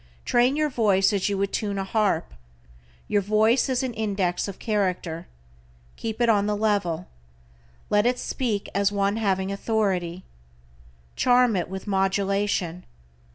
Train your voice as you would tune a harp. Your voice is an index of character. Keep it on the level. Let it "speak as one having authority." Charm it with modulation.